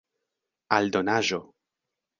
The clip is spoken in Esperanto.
aldonaĵo